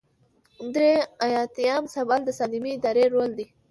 درې ایاتیام سوال د سالمې ادارې رول دی.